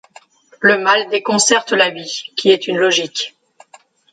Le mal déconcerte la vie, qui est une logique.